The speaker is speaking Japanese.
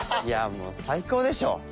いやもう最高でしょ！